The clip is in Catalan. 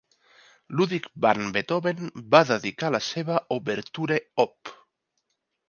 Ludwig van Beethoven va dedicar la seva "Ouverture Op."